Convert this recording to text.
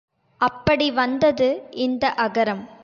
அப்படி வந்தது இந்த அகரம்.